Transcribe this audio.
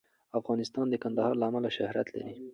افغانستان د کندهار له امله شهرت لري.